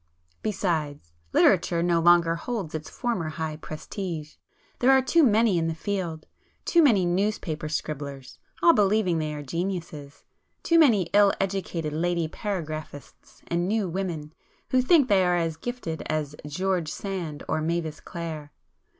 Besides, literature no longer holds its former high prestige,—there are too many in the field,—too many newspaper scribblers, all believing they are geniuses,—too many ill educated lady paragraphists and 'new' women, who think they are as gifted as Georges Sand or Mavis Clare.